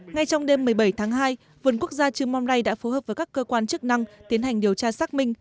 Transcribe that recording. ngay trong đêm một mươi bảy tháng hai vườn quốc gia trư mon rai đã phối hợp với các cơ quan chức năng tiến hành điều tra xác minh